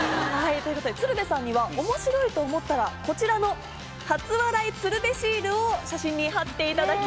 ということで鶴瓶さんには面白いと思ったらこちらの初笑い鶴瓶シールを写真に貼っていただきます。